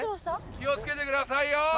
気を付けてくださいよ。